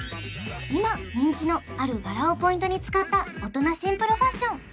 今人気のある柄をポイントに使った大人シンプルファッション